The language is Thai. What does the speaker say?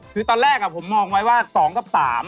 คือตอนแรกผมมองไว้ว่า๒กับ๓